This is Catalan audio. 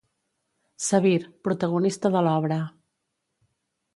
Sabir: protagonista de l'obra.